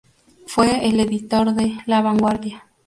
Fue el editor de "La Vanguardia".